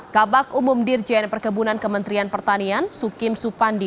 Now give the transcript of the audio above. kabak umum dirjen perkebunan kementerian pertanian sukim supandi